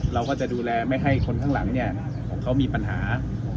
เราก็จะดูแลไม่ให้คนข้างหลังของเขามีปัญหา